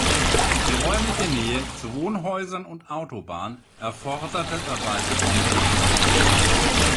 Die räumliche Nähe zu Wohnhäusern und Autobahn erforderte dabei besondere Sorgfalt.